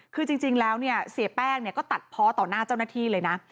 คือจริงแล้วเนี่ยเสียแป้งก็ตัดเพาะต่อหน้าเจ้าหน้าที่เลยนะ